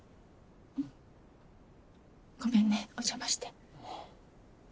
うんごめんねお邪魔して。